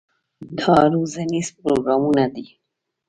دا روزنیز پروګرامونه دي.